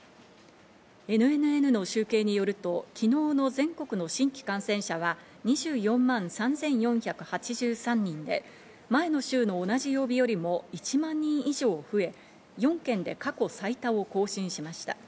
ＮＮＮの集計によると昨日の全国の新規感染者は２４万３４８３人で、前の週の同じ曜日よりも１万人以上増え、４県で過去最多を更新しました。